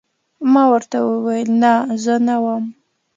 ما ورته وویل: نه، زه نه وم.